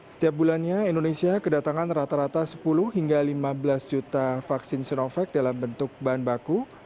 setiap bulannya indonesia kedatangan rata rata sepuluh hingga lima belas juta vaksin sinovac dalam bentuk bahan baku